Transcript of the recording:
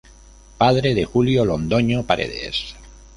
Padre de Julio Londoño Paredes.